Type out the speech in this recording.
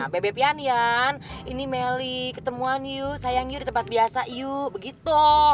bebek ian ian ini meli ketemuan yuk sayang yuk di tempat biasa yuk begitu